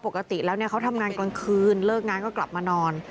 ปกติแล้วเขาทำงานกลางคืนเลิกงานก็กลับมานอน